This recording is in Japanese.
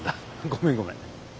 ごめんごめん。